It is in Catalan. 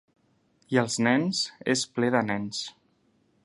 I els nens, és ple de nens.